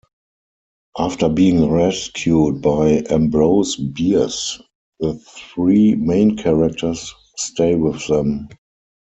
After being rescued by Ambrose Bierce the three main characters stay with them.